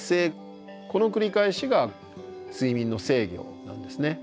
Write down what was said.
この繰り返しが睡眠の制御なんですね。